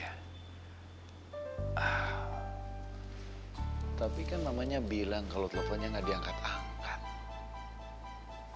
ah tapi kan mamanya bilang kalau teleponnya enggak diangkat angkat